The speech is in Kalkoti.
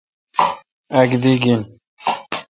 اک دی گین۔